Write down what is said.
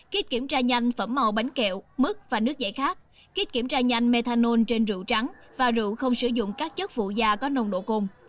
kiếp kiểm tra nhanh phẩm màu bánh kẹo mứt và nước dẻ khác kiếp kiểm tra nhanh methanol trên rượu trắng và rượu không sử dụng các chất vụ da có nồng độ côn